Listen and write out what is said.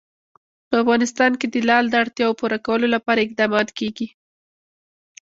په افغانستان کې د لعل د اړتیاوو پوره کولو لپاره اقدامات کېږي.